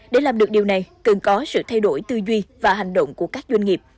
để làm được điều này cần có sự thay đổi tư duy và hành động của các doanh nghiệp